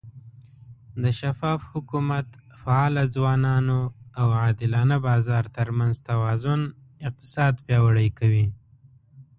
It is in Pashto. د شفاف حکومت، فعاله ځوانانو، او عادلانه بازار ترمنځ توازن اقتصاد پیاوړی کوي.